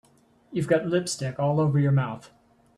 You've got lipstick all over your mouth.